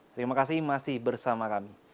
terima kasih masih bersama kami